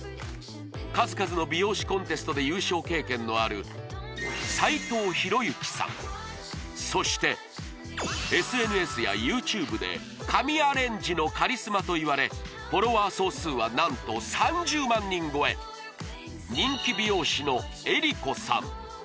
数々の美容師コンテストで優勝経験のある斉藤弘之さんそしてＳＮＳやＹｏｕＴｕｂｅで髪アレンジのカリスマといわれフォロワー総数は何と３０万人超え人気美容師のＥＲＩＫＯさん